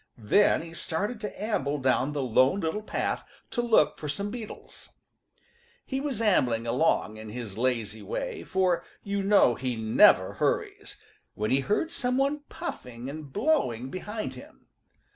Then he started to amble down the Lone Little Path to look for some beetles. He was ambling along in his lazy way, for you know he never hurries, when he heard some one puffing and blowing behind him.